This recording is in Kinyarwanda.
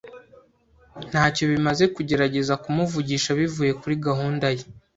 Ntacyo bimaze kugerageza kumuvugisha bivuye kuri gahunda ye.